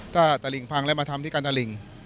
ถ้าตะหลิ่งพังแล้วมาทำที่การตะหลิ่ง